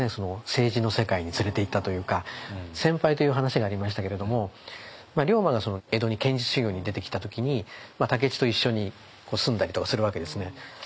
政治の世界に連れていったというか先輩という話がありましたけれども龍馬が江戸に剣術修行に出てきた時に武市と一緒に住んだりとかするわけですね。